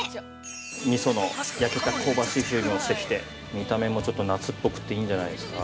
◆みその焼けた香ばしい匂いもしてきて、見た目もちょっと夏っぽくていいんじゃないですか。